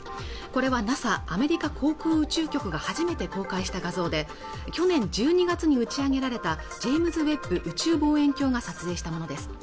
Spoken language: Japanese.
これはＮＡＳＡ＝アメリカ航空宇宙局が初めて公開した画像で去年１２月に打ち上げられたジェームズ・ウェッブ宇宙望遠鏡が撮影したものです